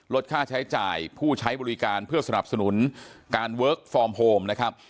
ค่าใช้จ่ายผู้ใช้บริการเพื่อสนับสนุนการเวิร์คฟอร์มโฮมนะครับ